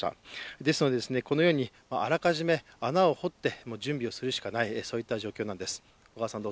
ですのであらかじめ穴を掘って準備をするしかない、そんな状況なんです。